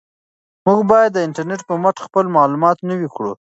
موږ باید د انټرنیټ په مټ خپل معلومات نوي کړو.